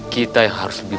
kita yang harus berpikir